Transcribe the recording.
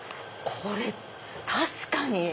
これ確かに。